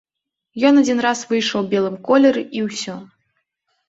Ён адзін раз выйшаў у белым колеры і ўсё.